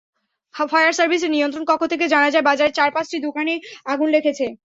Fire সার্ভিসের নিয়ন্ত্রণ কক্ষ থেকে জানা যায়, বাজারের চার-পাঁচটি দোকানে আগুন লেগেছে।